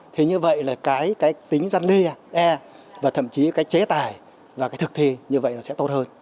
thế như vậy là cái tính gian lê và thậm chí cái chế tải và cái thực thi như vậy là sẽ tốt hơn